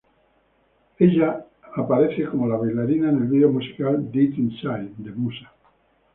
Ella aparece como la bailarina en el video musical "Dead Inside" de musa.